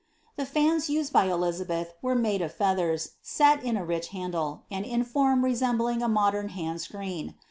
The fans used by Elizabeth were made of feathers, set in a rich handle, and in form resembling a modem hand «creen.